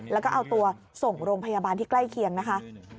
แล้วก็เอาตัวส่งโรงพยาบาลที่ใกล้เคียงนะคะ